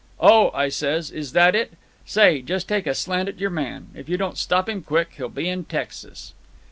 'Oh,' I says, 'is that it? Say, just take a slant at your man. If you don't stop him quick he'll be in Texas.